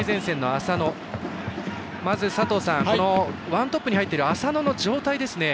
ワントップに入っている浅野の状態ですね。